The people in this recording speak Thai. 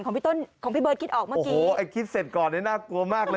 พี่ต้นของพี่เบิร์ดคิดออกเมื่อกี้โอ้ไอ้คิดเสร็จก่อนนี่น่ากลัวมากเลย